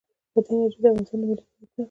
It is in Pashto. بادي انرژي د افغانستان د ملي هویت نښه ده.